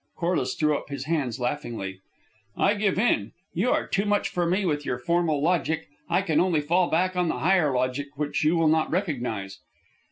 Corliss threw up his hands laughingly. "I give in. You are too much for me with your formal logic. I can only fall back on the higher logic, which you will not recognize."